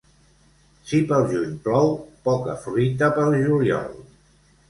Si pel juny plou, poca fruita pel juliol.